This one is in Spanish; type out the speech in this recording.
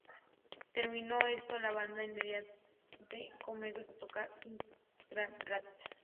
Terminado esto, la banda inmediatamente comenzó a tocar ""I Came as a Rat"".